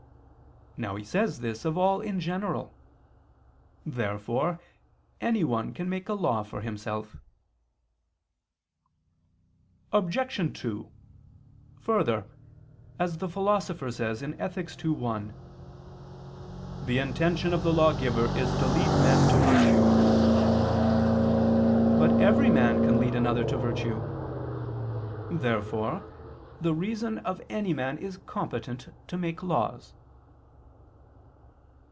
Now he says this of all in general. Therefore anyone can make a law for himself. Obj. 2: Further, as the Philosopher says (Ethic. ii, 1), "the intention of the lawgiver is to lead men to virtue." But every man can lead another to virtue. Therefore the reason of any man is competent to make laws.